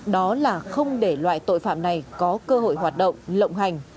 đó là không để loại tội phạm này có cơ hội hoạt động lộng hành